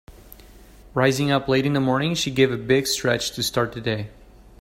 Rising up late in the morning she gave a big stretch to start the day.